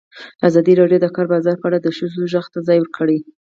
ازادي راډیو د د کار بازار په اړه د ښځو غږ ته ځای ورکړی.